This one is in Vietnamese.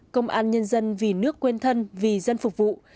công an nhân dân vì nước quên thân vì dân phục vụ